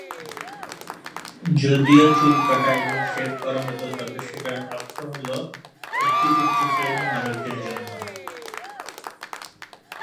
যদিও চুল কাটা এবং শেভ করা হত, তবে সেটার অর্থ হ'ল একটি উচ্চ শ্রেণীর মানুষ দের জন্য।